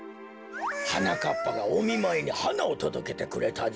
はなかっぱがおみまいにはなをとどけてくれたぞ。